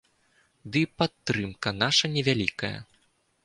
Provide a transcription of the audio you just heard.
Ды і падтрымка наша невялікая.